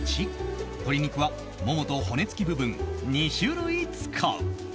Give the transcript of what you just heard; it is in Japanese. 鶏肉は、ももと骨付き部分２種類使う。